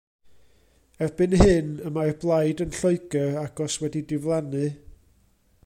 Erbyn hyn y mae'r Blaid yn Lloegr agos wedi diflannu.